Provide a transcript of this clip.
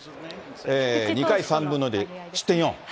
２回３分の２で失点４。